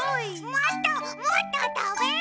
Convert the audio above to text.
もっともっとたべる！